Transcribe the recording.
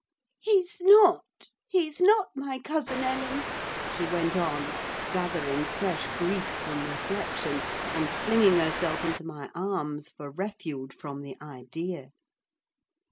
"He's not—he's not my cousin, Ellen!" she went on, gathering fresh grief from reflection, and flinging herself into my arms for refuge from the idea.